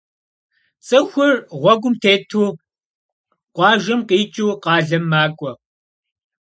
Ts'ıxur ğuegum têtu khuajjem khiç'ıu khalem mak'ue.